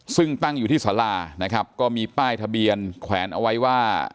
ซึ่งตั้งอยู่ที่สารานะครับก็มีป้ายทะเบียนแขวนเอาไว้ว่า